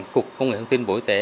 cục công nghệ thông tin bộ y tế